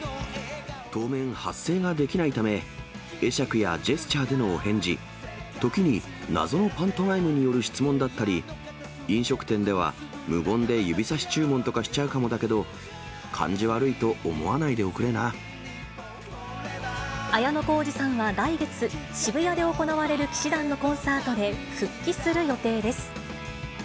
当面、発声ができないため、会釈やジェスチャーでのお返事、時に謎のパントマイムによる質問だったり、飲食店ではＭＵＧＯ・んで指さし注文とかしちゃうかもだけど、綾小路さんは来月、渋谷で行われる氣志團のコンサートで復帰する予定です。